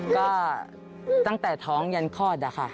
ก็ตั้งแต่ท้องยันคลอดอะค่ะ